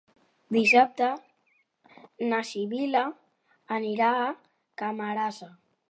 Dissabte na Sibil·la anirà a Camarasa.